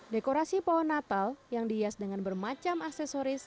dekorasi pohon natal yang dihias dengan bermacam aksesoris